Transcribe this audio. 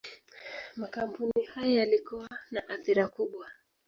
Makampuni haya yalikuwa na athira kubwa.